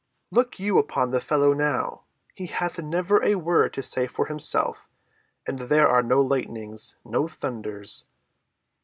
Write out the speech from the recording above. "Look you upon the fellow now, he hath never a word to say for himself, and there are no lightnings—no thunders.